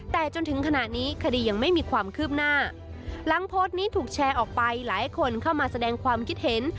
แต่จนถึงขณะนี้คดียังไม่มีความคืบหน้าหลังโพสต์นี้ถูกแชร์ออกไปหลายคนเข้ามาแสดงความคิดเห็น